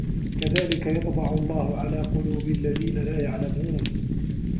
كَذلِكَ يَطبَعُ اللَّهُ عَلى قُلوبِ الَّذينَ لا يَعلَمونَ